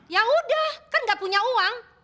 ya udah kan nggak punya uang